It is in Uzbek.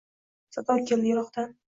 Sado keldi yirokdan.